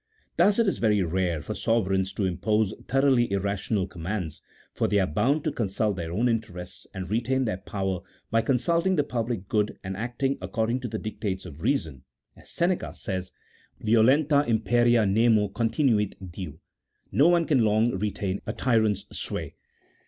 Thus it is very rare for sovereigns to impose thoroughly irrational commands, for they are bound to consult their own interests, and retain their power by consulting the public good and acting according to the dictates of reason, as Seneca says, " vio 206 A THEOLOGICO POLITICAL TREATISE. [CHAP. XVI. lenta imperia nemo continuit dm." No one can long retain a tyrant's sway.